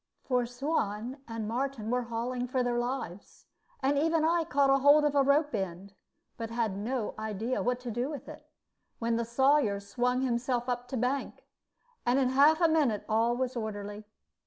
For Suan and Martin were hauling for their lives, and even I caught hold of a rope end, but had no idea what to do with it, when the Sawyer swung himself up to bank, and in half a minute all was orderly.